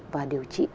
và điều trị